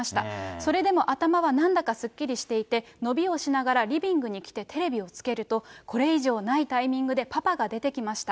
それでも頭はなんだかすっきりしていて、伸びをしながらリビングに来てテレビをつけると、これ以上ないタイミングでパパが出てきました。